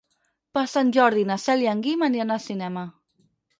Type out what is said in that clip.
Per Sant Jordi na Cel i en Guim aniran al cinema.